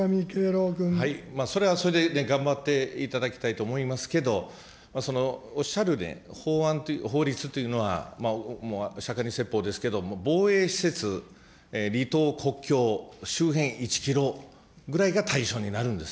それはそれで頑張っていただきたいと思いますけど、おっしゃるね、法案、法律というのは、釈迦に説法ですけれども、防衛施設、離島、国境、周辺１キロぐらいが対象になるんです。